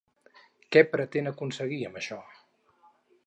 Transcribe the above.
Què pretén aconseguir amb això?